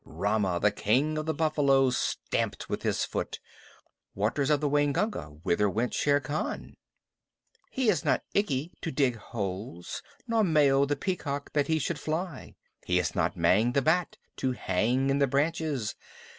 Rama, the King of the Buffaloes, stamped with his foot. Waters of the Waingunga, whither went Shere Khan? He is not Ikki to dig holes, nor Mao, the Peacock, that he should fly. He is not Mang the Bat, to hang in the branches.